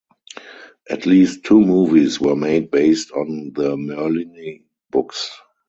At least two movies were made based on the Merlini books.